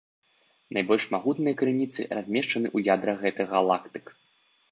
Найбольш магутныя крыніцы размешчаны ў ядрах гэтых галактык.